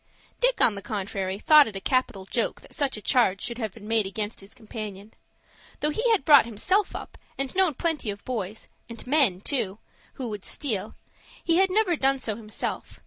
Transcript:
Dick, on the contrary, thought it a capital joke that such a charge should have been made against his companion. Though he had brought himself up, and known plenty of boys and men, too, who would steal, he had never done so himself.